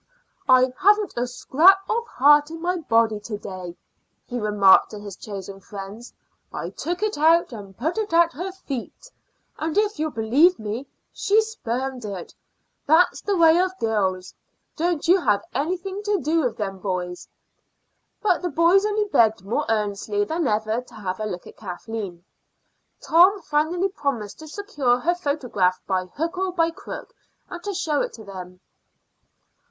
"I haven't a scrap of heart in my body to day," he remarked to his chosen friends. "I took it out and put it at her feet; and if you'll believe me, she spurned it. That's the way of girls. Don't you have anything to do with them, boys." But the boys only begged more earnestly than ever to have a look at Kathleen. Tom finally promised to secure her photograph by hook or by crook, and to show it to them.